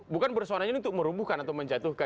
bukan bersuaranya ini untuk merumbuhkan atau menjatuhkan